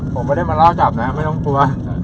ผมไม่ได้มารอจับนะครับไม่ต้องกลัว